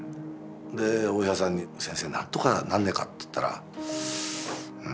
でお医者さんに「先生なんとかなんねえか」って言ったらうんって言ってね。